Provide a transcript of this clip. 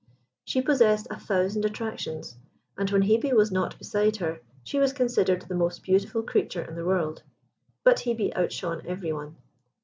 She possessed a thousand attractions, and when Hebe was not beside her, she was considered the most beautiful creature in the world; but Hebe outshone every one.